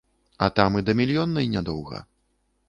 А там і да мільённай нядоўга.